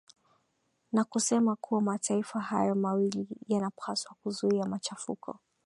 na kusema kuwa mataifa hayo mawili yanapaswa kuzuia machafuko